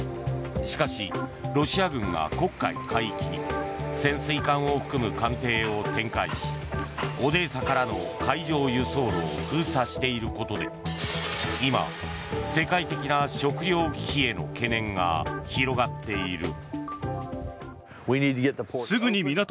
しかし、ロシア軍が黒海海域に潜水艦を含む艦艇を展開しオデーサからの海上輸送路を封鎖していることで今世界的な食糧危機への懸念が広がっている。